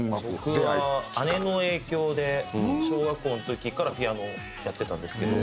僕は姉の影響で小学校の時からピアノをやってたんですけど。